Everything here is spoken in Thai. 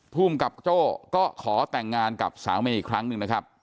ภูมิกับโจ้ก็ขอแต่งงานกับสามีอีกครั้งหนึ่งนะครับ